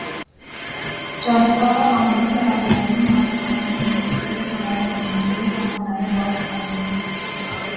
جستار آنان دربارهی محسنات نسبی هنر امروزی و هنر باستانی